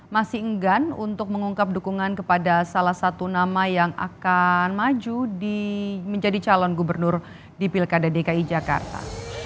masih enggan untuk mengungkap dukungan kepada salah satu nama yang akan maju menjadi calon gubernur di pilkada dki jakarta